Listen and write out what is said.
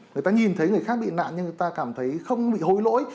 người ta nhìn thấy người khác bị nạn nhưng người ta cảm thấy không bị hối lỗi